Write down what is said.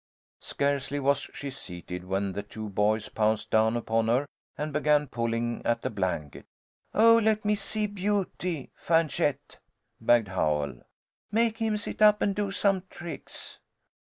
Scarcely was she seated when the two boys pounced down upon her and began pulling at the blanket. "Oh, let me see Beauty, Fanchette," begged Howell. "Make him sit up and do some tricks."